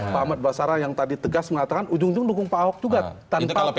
pak ahmad basara yang tadi tegas mengatakan ujung ujung dukung pak ahok juga tanpa